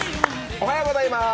おはようございます。